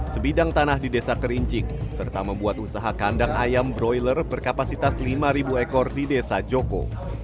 sebidang tanah di desa kerincik serta membuat usaha kandang ayam broiler berkapasitas lima ekor di desa joko